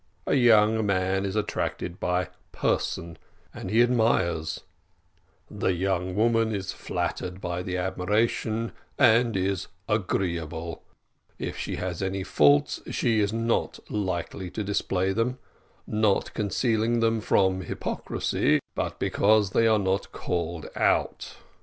A young man is attracted by person, and he admires; the young woman is flattered by the admiration, and is agreeable; if she has any faults she is not likely to display them not concealing them from hypocrisy, but because they are not called out.